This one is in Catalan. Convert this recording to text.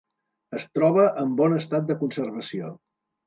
Es troba en bon estat de conservació.